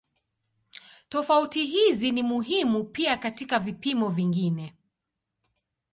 Tofauti hizi ni muhimu pia katika vipimo vingine.